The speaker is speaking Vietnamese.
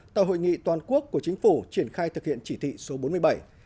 tại hội nghị toàn quốc của chính phủ triển khai thực hiện chỉ thị số bốn mươi bảy